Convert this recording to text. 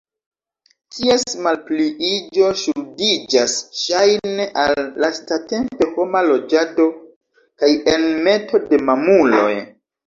Ties malpliiĝo ŝuldiĝas ŝajne al lastatempe homa loĝado kaj enmeto de mamuloj.